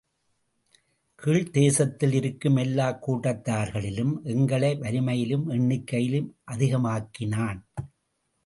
கீழ்த்தேசத்தில் இருக்கும் எல்லாக் கூட்டத்தார்களிலும் எங்களை வலிமையிலும் எண்ணிக்கையிலும் அதிகமாக்கினான்.